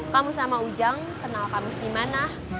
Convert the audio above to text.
kamu sama ujang kenal kamu dimana